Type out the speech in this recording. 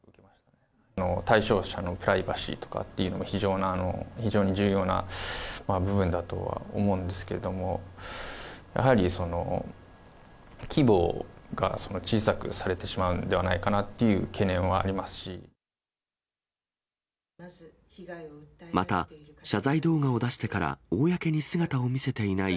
対象者のプライバシーとかっていうのも非常に重要な部分だとは思うんですけれども、やはり規模が小さくされてしまうんではないかなっていう懸念はあまた、謝罪動画を出してから公に姿を見せていない